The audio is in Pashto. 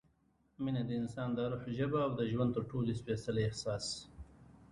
مینه – د انسان د روح ژبه او د ژوند تر ټولو سپېڅلی احساس